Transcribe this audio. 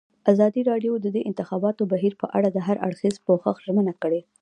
ازادي راډیو د د انتخاباتو بهیر په اړه د هر اړخیز پوښښ ژمنه کړې.